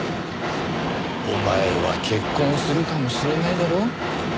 お前は結婚するかもしれないんだろ？